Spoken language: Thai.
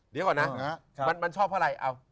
เดี๋ยวก่อนนะมันชอบเพราะอะไร